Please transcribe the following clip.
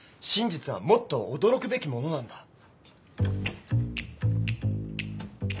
真実はもっと驚くべきものなんだ。